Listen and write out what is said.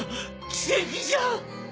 奇跡じゃ！